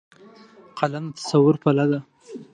قلم د تصور پله ده